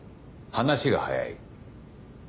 話が早い。